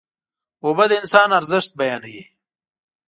اوبه د انسان ارزښت بیانوي.